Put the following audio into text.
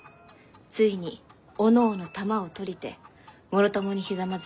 ついにおのおの玉をとりてもろともに跪き